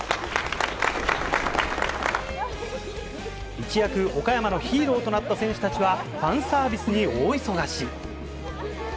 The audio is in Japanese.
一躍岡山のヒーローとなった選手たちはファンサービスに大忙し。